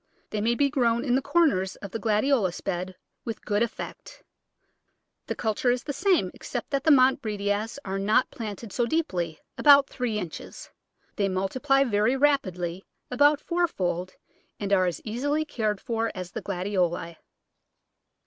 They may be grown in the corners of the Gladiolus bed with good effect The culture is the same, except that the Montbretias are not plant ed so deeply — about three inches. They multiply very rapidly — about fourfold, and are as easily cared for as the Gladioli.